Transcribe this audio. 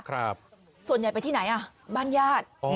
ครับส่วนใหญ่ไปที่ไหนอ่ะบ้านญาติอ๋อ